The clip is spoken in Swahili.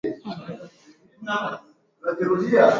Geuza chapati upande wa pili weka ili uive